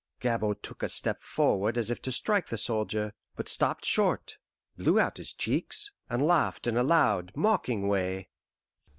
Gabord took a step forward as if to strike the soldier, but stopped short, blew out his cheeks, and laughed in a loud, mocking way.